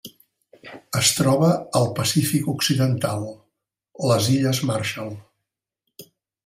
Es troba al Pacífic occidental: les illes Marshall.